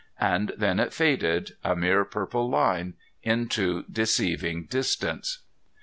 And then it faded, a mere purple line, into deceiving distance.